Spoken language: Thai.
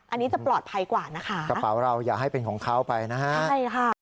อันนี้จะปลอดภัยกว่านะคะกระเป๋าเราอย่าให้เป็นของเขาไปนะฮะใช่ค่ะ